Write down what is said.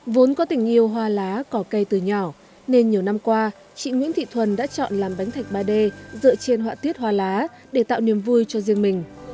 vốn có tình yêu hoa lá cỏ cây từ nhỏ nên nhiều năm qua chị nguyễn thị thuần đã chọn làm bánh thạch ba d dựa trên họa tiết hoa lá để tạo niềm vui cho riêng mình